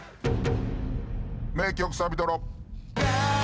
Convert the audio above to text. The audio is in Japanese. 名曲サビトロ。